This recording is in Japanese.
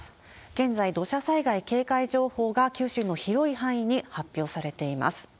現在、土砂災害警戒情報が九州の広い範囲に発表されています。